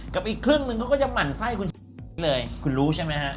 กับอีกครึ่งนึงเขาก็จะหมั่นไส้คุณเลยคุณรู้ใช่ไหมฮะ